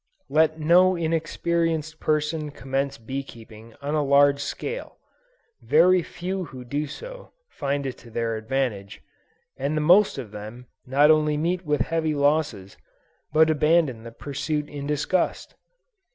Let no inexperienced person commence bee keeping on a large scale; very few who do so, find it to their advantage, and the most of them not only meet with heavy losses, but abandon the pursuit in disgust.